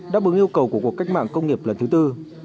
đáp ứng yêu cầu của cuộc cách mạng công nghiệp lần thứ tư